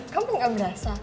kamu gak berasa